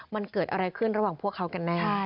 มันเกิดอะไรขึ้นระหว่างพวกเขากันแน่